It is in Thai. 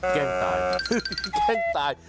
แกล้งตายแกล้งตาย